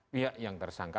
pihak yang tersangka